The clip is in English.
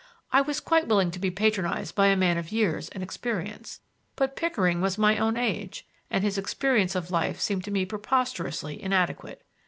I was quite willing to be patronized by a man of years and experience; but Pickering was my own age, and his experience of life seemed to me preposterously inadequate.